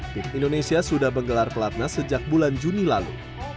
tim indonesia sudah menggelar pelatnas sejak bulan juni lalu